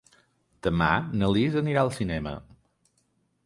Demà na Lis anirà al cinema.